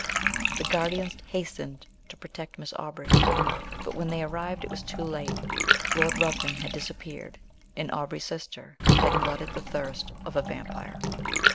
The guardians hastened to protect Miss Aubrey; but when they arrived, it was too late. Lord Ruthven had disappeared, and Aubrey's sister had glutted the thirst of a VAMPYRE!